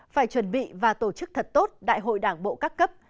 phải chuẩn bị và tổ chức thật tốt đại hội đảng bộ các cấp